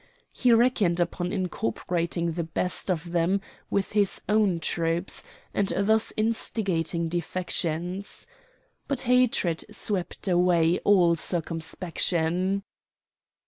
He reckoned upon incorporating the best of them with his own troops and of thus instigating defections. But hatred swept away all circumspection.